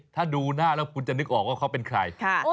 ถ้าดูหน้าแล้วคุณจะนึกออกว่าเขาเป็นใคร